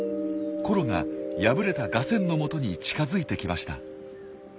コロが敗れたガセンのもとに近づいてきました。